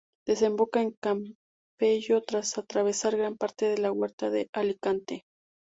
Desemboca en Campello, tras atravesar gran parte de la Huerta de Alicante.